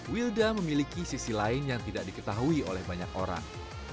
wilda memiliki sisi lain yang tidak diketahui oleh banyak orang